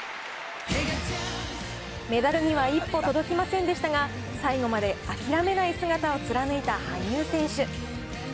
メダルには一歩届きませんでしたが、最後まで諦めない姿を貫いた羽生選手。